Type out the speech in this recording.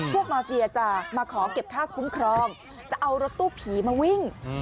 พวกมาเฟียจะมาขอเก็บค่าคุ้มครองจะเอารถตู้ผีมาวิ่ง